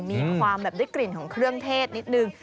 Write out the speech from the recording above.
มีความแบบได้กลิ่นของเครื่องเทศนิดนึง